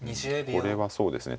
これはそうですね